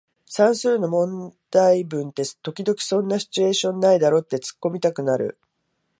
算数の問題文って時々そんなシチュエーションないだろってツッコミたくなる